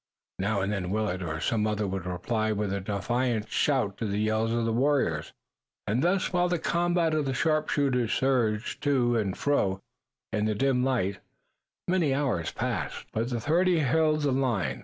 Now and then Willet, or some other, would reply with a defiant shout to the yells of the warriors, and thus, while the combat of the sharpshooters surged to and fro in the dim light, many hours passed. But the thirty held the line.